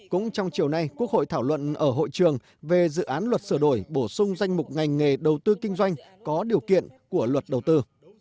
cũng trong chiều nay quốc hội thảo luận ở hội trường về dự án luật sửa đổi bổ sung danh mục ngành nghề đầu tư kinh doanh có điều kiện của luật đầu tư